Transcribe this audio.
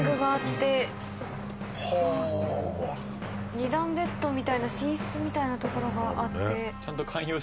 ２段ベッドみたいな寝室みたいな所があって。